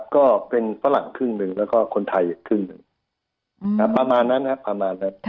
ก็เป็นฝรั่งครึ่งหนึ่งแล้วก็คนไทยครึ่งหนึ่งประมาณนั้นครับ